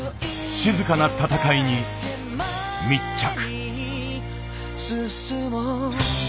静かな闘いに密着。